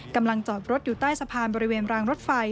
จอดรถอยู่ใต้สะพานบริเวณรางรถไฟ